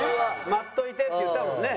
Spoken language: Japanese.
「待っといて」って言ったもんね。